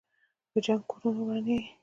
په جنګ کې کورونه ورانېږي.